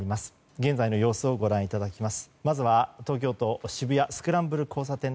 現在の様子をご覧いただきます。